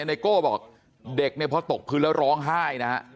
ไนโก้บอกเด็กเนี่ยพอตกพื้นแล้วร้องไห้นะฮะ